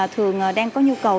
thường đang có nhu cầu